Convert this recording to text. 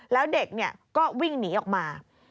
แล้วเด็กก็วิ่งหนีออกมา